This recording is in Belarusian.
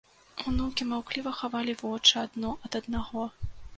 Унукі маўкліва хавалі вочы адно ад аднаго.